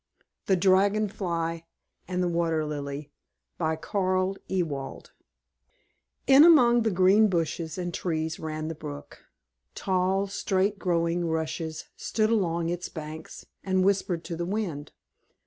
THE DRAGON FLY AND THE WATER LILY By Carl Ewald In among the green bushes and trees ran the brook. Tall, straight growing rushes stood along its banks, and whispered to the wind.